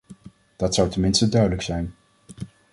Dat zou ten minste duidelijk zijn.